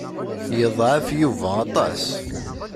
Yeḍɛef Yuba aṭas.